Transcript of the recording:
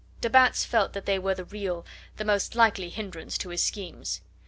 De Batz felt that they were the real, the most likely hindrance to his schemes.